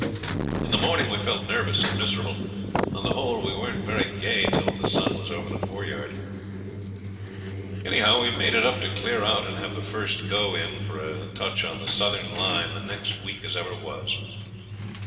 In the morning we felt nervous and miserable; on the whole we weren't very gay till the sun was over the foreyard. Anyhow, we made it up to clear out and have the first go in for a touch on the southern line the next week as ever was.